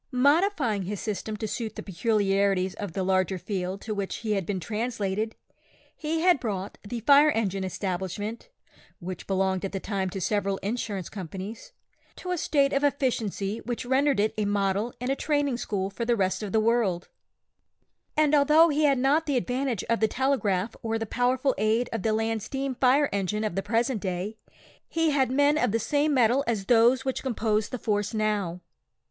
Modifying his system to suit the peculiarities of the larger field to which he had been translated, he had brought the "Fire Engine Establishment," (which belonged at that time to several insurance companies) to a state of efficiency which rendered it a model and a training school for the rest of the world; and although he had not the advantage of the telegraph or the powerful aid of the land steam fire engine of the present day, he had men of the same metal as those which compose the force now.